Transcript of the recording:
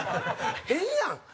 変やん！